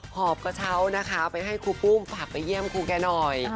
อบกระเช้านะคะไปให้ครูปุ้มฝากไปเยี่ยมครูแกหน่อย